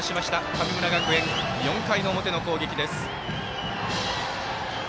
神村学園、４回の表の攻撃です。